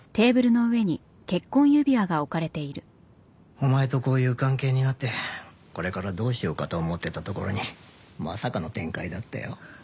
お前とこういう関係になってこれからどうしようかと思ってたところにまさかの展開だったよ。